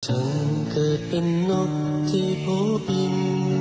ฉันคือเป็นนกที่โผล่ปิน